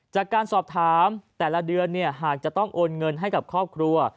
จากการสอบถามแต่ละเดือนหากจะต้องโอนเงินให้กับครอบครัว